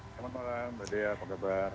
selamat malam mbak dea apa kabar